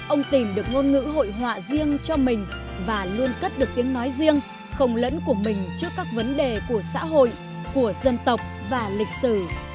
ông tìm được ngôn ngữ hội họa riêng cho mình và luôn cất được tiếng nói riêng không lẫn của mình trước các vấn đề của xã hội của dân tộc và lịch sử